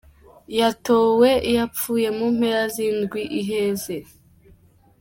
Yatowe yapfuye mu mpera z'indwi iheze.